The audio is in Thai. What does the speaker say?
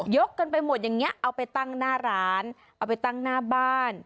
กันไปหมดอย่างนี้เอาไปตั้งหน้าร้านเอาไปตั้งหน้าบ้าน